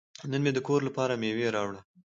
نن مې د کور لپاره میوه راوړه.